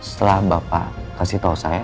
setelah bapak kasih tau saya